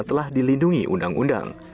telah dilindungi undang undang